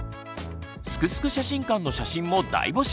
「すくすく写真館」の写真も大募集！